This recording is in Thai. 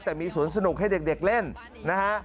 แต่มีสวนสนุกให้เด็กเล่นนะฮะ